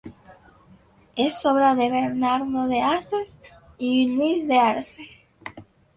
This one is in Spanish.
Es obra de Bernardo de Haces y por Luis de Arce.